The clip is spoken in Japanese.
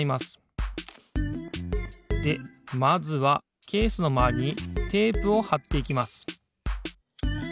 でまずはケースのまわりにテープをはっていきます。